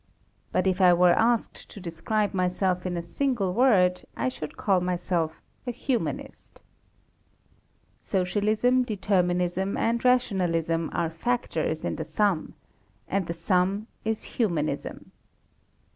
But if I were asked to describe myself in a single word, I should call myself a Humanist. Socialism, Determinism, and Rationalism are factors in the sum; and the sum is Humanism.